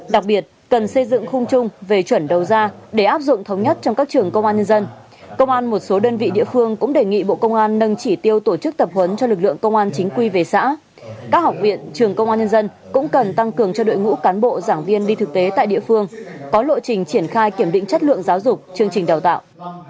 đặc biệt cần xây dựng khung chung về chuẩn đầu ra để áp dụng thống nhất trong các trường công an nhân dân công an một số đơn vị địa phương cũng đề nghị bộ công an nâng chỉ tiêu tổ chức tập huấn cho lực lượng công an chính quy về xã các học viện trường công an nhân dân cũng cần tăng cường cho đội ngũ cán bộ giảng viên đi thực tế tại địa phương có lộ trình triển khai kiểm định chất lượng giáo dục chương trình đào tạo